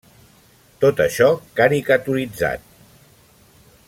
Tot això caricaturitzat.